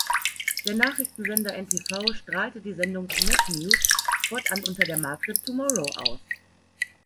Der Nachrichtensender n-tv strahlte die Sendung „Net News“ fortan unter der Marke „Tomorrow“ aus.